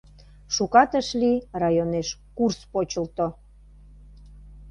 Шукат ыш лий, районеш курс почылто.